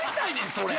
それ。